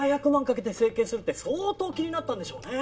かけて整形するって相当気になったんでしょうね。